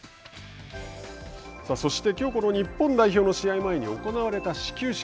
きょう日本代表の試合前に行われた始球式。